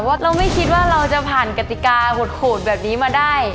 เราไม่คิดว่าเราจะผ่านกติกาโหดแบบนี้มาได้